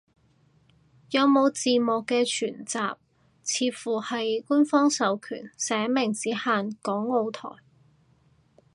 有冇字幕嘅全集，似乎係官方授權，寫明只限港澳台